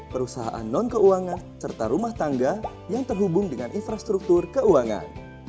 perusahaan non keuangan serta rumah tangga yang terhubung dengan infrastruktur keuangan